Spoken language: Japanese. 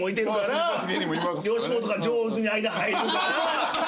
吉本が上手に間入るなら。